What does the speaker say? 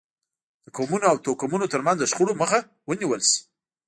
د قومونو او توکمونو ترمنځ د شخړو مخه ونیول شي.